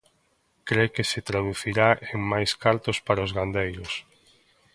Cre que se traducirá en máis cartos para os gandeiros.